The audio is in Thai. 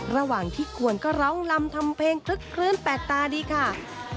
ระหว่างที่ควรก็ร้องลำทำเพลงคลึกคลื้นแปลกตาดีค่ะ